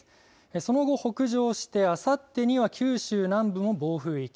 その後、北上してあさってには九州南部も暴風域。